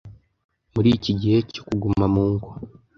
muri iki gihe cyo kuguma mu ngo.